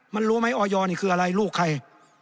มันรู้ไหมออยนี่คืออะไรลูกใคร